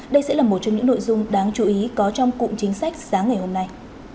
đây sẽ là một trong những nội dung đáng chú ý có trong cụm chính sách sáng ngày hôm nay